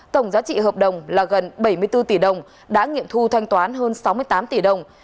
tổng giá trị hợp đồng là gần bảy mươi bốn tỷ đồng đã nghiệm thu thanh toán hơn sáu mươi tám tỷ đồng